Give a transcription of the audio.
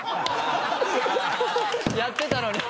やってたのに。